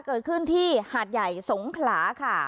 เกิดขึ้นที่หาดใหญ่สงขลาค่ะ